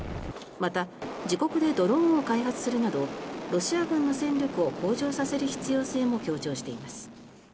また、自国でドローンを開発するなどロシア軍の戦力を向上させる必要性も強調しています。